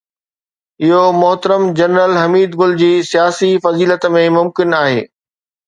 اهو محترم جنرل حميد گل جي سياسي فضيلت ۾ ممڪن آهي.